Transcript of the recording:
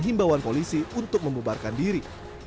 himbauan polisi untuk membebarkan diri